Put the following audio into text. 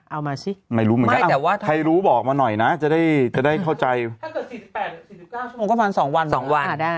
เอามาสิไม่รู้ไหมแต่ว่าใครรู้บอกมาหน่อยนะจะได้จะได้เข้าใจวันสองวันสองวัน